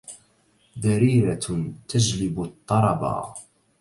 دريرة تجلب الطربا